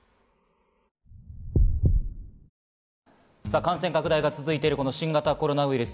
感染拡大が続いている新型コロナウイルス。